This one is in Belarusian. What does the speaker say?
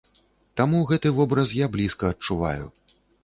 Таму гэты вобраз я блізка адчуваю.